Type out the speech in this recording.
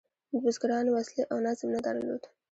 بزګرانو وسلې او نظم نه درلود.